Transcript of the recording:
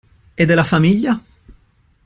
E della famiglia?